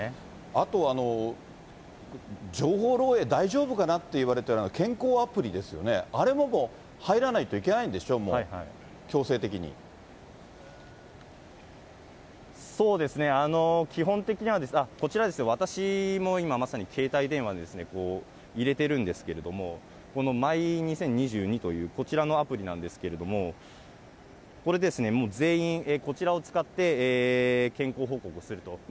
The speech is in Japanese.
あと、情報漏えい大丈夫かなといわれてた、健康アプリですよね、あれももう、入らないといけないんでしょ、そうですね、基本的には、こちらですね、私も今まさに携帯電話に入れてるんですけれども、このマイ２０２２という、こちらのアプリなんですけれども、これですね、全員こちらを使って健康報告をすると。